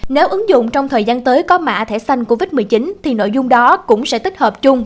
nếu ứng dụng trong thời gian tới có mã thẻ xanh covid một mươi chín thì nội dung đó cũng sẽ tích hợp chung